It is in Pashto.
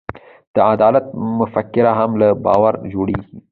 د عدالت مفکوره هم له باور جوړېږي.